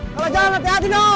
kalau jangan hati hati dong